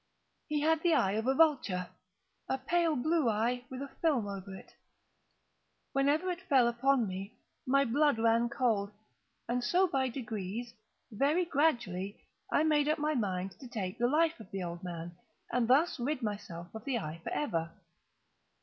He had the eye of a vulture—a pale blue eye, with a film over it. Whenever it fell upon me, my blood ran cold; and so by degrees—very gradually—I made up my mind to take the life of the old man, and thus rid myself of the eye forever.